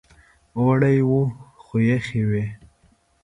اوړی و خو یخې وې.